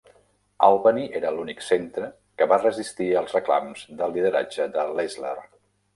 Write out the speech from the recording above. Albany era l"únic centre que va resistir els reclams de lideratge de Leisler.